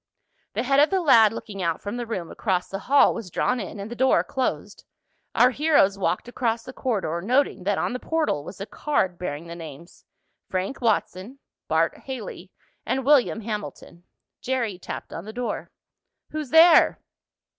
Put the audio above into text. The head of the lad looking out from the room across the hall was drawn in, and the door closed. Our heroes walked across the corridor, noting that on the portal was a card bearing the names Frank Watson, Bart Haley and William Hamilton. Jerry tapped on the door. "Who's there?"